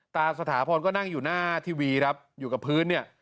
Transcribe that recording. สถาพรก็นั่งอยู่หน้าทีวีครับอยู่กับพื้นเนี่ย